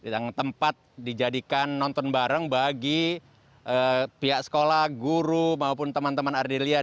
yang tempat dijadikan nonton bareng bagi pihak sekolah guru maupun teman teman ardelia